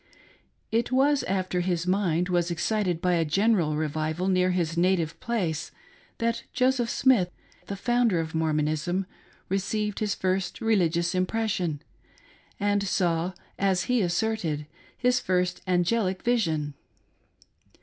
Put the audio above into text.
It was after his mind was excited by a general revival near his native place, that Joseph . Smith, the founder of Mormonism, received his first religious impression, and saw, as he asserted, his first angelic vision.